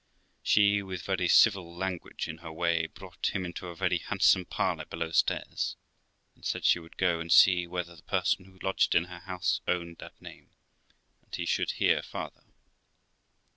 She, with very civil language, in her way, brought him into a very handsome parlour below stairs, and said she would go and see whether the person who lodged in her house owned that name, and he should hear farther.